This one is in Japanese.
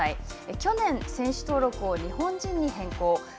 去年選手登録を日本人に変更。